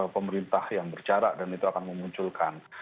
pemerintah yang berjarak dan itu akan memunculkan